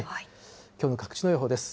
きょうの各地の予報です。